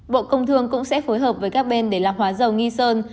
bộ công thương cũng sẽ phối hợp với các bên để làm hóa dầu nghi sơn